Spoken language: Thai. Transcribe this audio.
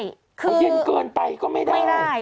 มันเย็นเกินไปก็ไม่ได้